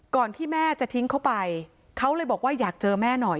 ที่แม่จะทิ้งเขาไปเขาเลยบอกว่าอยากเจอแม่หน่อย